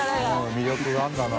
魅力があるんだな。